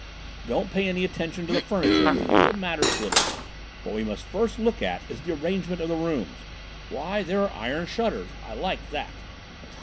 "Don't pay any attention to the furniture, Emile, it matters little; what we must first look at is the arrangement of the rooms. Why, there are iron shutters I like that."